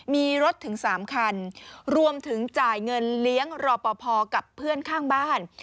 มีรถถึง๓คันรวมถึงจ่ายเงินเลี้ยงรอปภกับเพื่อนข้างบ้าน